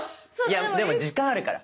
いやでも時間あるから。